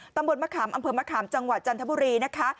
ตำบลมะขามอำเภอมะขามจังหวัดจันทบุรีนะคะ